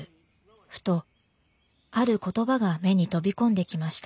ふとある言葉が目に飛び込んできました。